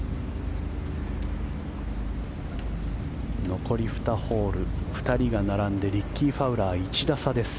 残り２ホール２人が並んでリッキー・ファウラー１打差です。